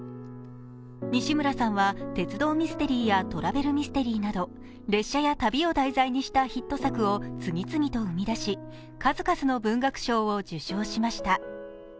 西村さんは鉄道ミステリーやトラベルミステリーなど列車や旅を題材にしたヒット作を次々と生み出し数々の文学賞を受賞しました。